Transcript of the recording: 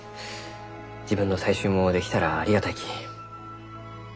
自分の採集もできたらありがたいき。